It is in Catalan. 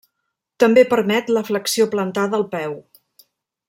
També permet la flexió plantar del peu.